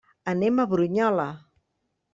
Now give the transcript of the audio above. Anem a Brunyola.